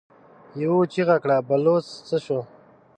يوه چيغه کړه: بلوڅ څه شو؟